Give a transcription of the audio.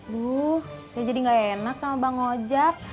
luh saya jadi gak enak sama bang ojak